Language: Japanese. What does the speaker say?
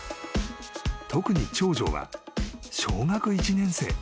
［特に長女は小学１年生］